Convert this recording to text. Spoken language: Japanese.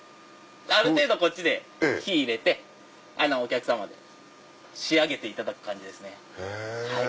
ある程度こっちで火入れてお客様で仕上げていただく感じですね。